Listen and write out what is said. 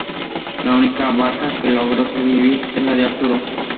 La única barca que logra sobrevivir es la de Arturo.